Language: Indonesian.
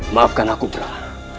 maafkan aku berang